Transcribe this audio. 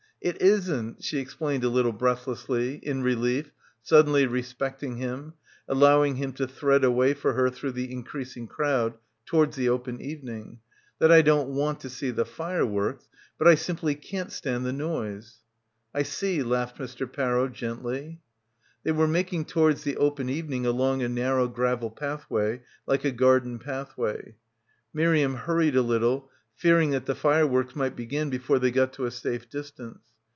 "It isn't," she explained a little breathlessly, in relief, suddenly respecting him, allowing him to thread a way for her through the increasing crowd towards the open evening, "that I don't want to see the fireworks, but I simply can't stand the noise." "I see," laughed Mr. Parrow gently. They were making towards the open evening along a narrow gravel pathway, like a garden pathway. Miriam hurried a little, fearing that the fireworks might begin before they got to a safe distance.